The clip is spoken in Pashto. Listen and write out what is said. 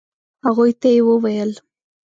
هغوی ته يې وويل.